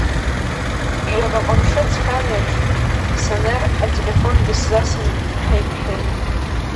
Жәабаҟа мшы ҵхьан аиԥш, Сонер ателефон дысзасын, ҳаиқәшәеит.